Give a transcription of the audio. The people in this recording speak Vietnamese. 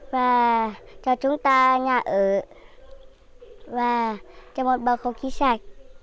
và cho chúng ta nhà ở và cho một bầu không khí sạch